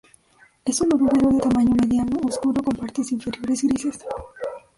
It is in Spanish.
Es un oruguero de tamaño mediano, oscuro con partes inferiores grises.